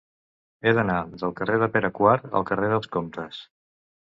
He d'anar del carrer de Pere IV al carrer dels Comtes.